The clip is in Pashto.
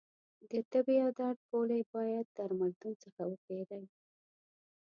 د تبې او درد ګولۍ باید درملتون څخه وپېری